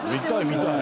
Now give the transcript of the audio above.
見たい。